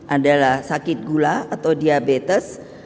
adalah sakit gula atau diabetes